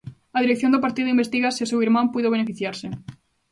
A dirección do partido investiga se o seu irmán puido beneficiarse.